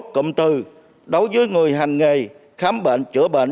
cụm từ đối với người hành nghề khám bệnh chữa bệnh